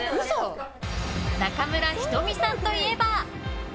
中村仁美さんといえば。